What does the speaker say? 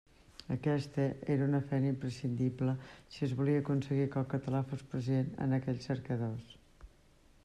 Aquesta era una feina imprescindible si es volia aconseguir que el català fos present en aquells cercadors.